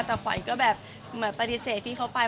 แต่ขวัญก็แบบเหมือนปฏิเสธพี่เขาไป